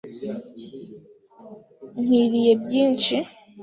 Nkwiriye byinshi.